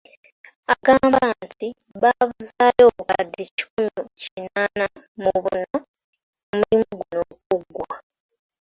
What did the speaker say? Agamba nti babuzaayo obukadde kikumi kinaana mu buna omulimu guno okuggwa.